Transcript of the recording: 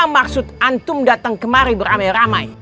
maksud antum datang kemari beramai ramai